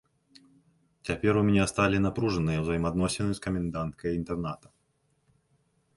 Цяпер у мяне сталі напружаныя ўзаемаадносіны з каменданткай інтэрната.